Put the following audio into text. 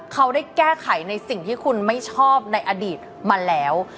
เขาได้แก้ไขในสิ่งที่คุณไม่ชอบในอดีตมาแล้ว